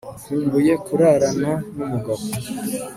nkumbuye kurarana n'umugabo